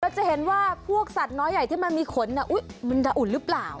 จะเห็นว่าพวกสัตว์น้อยใหญ่ที่มันมีขนมันจะอุ่นหรือเปล่า